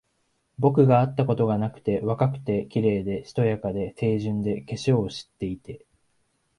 僕があったことがなくて、若くて、綺麗で、しとやかで、清純で、化粧を知っていて、